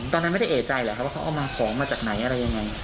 ตอนนั้นไม่ได้เอกใจแหละครับว่าเขาเอามาของมาจากไหนอะไรยังไง